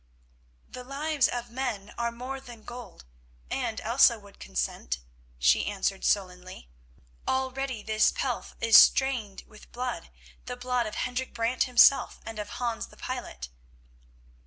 "The lives of men are more than gold, and Elsa would consent," she answered sullenly; "already this pelf is stained with blood, the blood of Hendrik Brant himself, and of Hans the pilot."